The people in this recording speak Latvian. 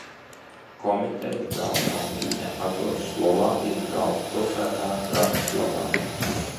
Komitejas galvenā mītne atrodas Slovākijas galvaspilsētā Bratislavā.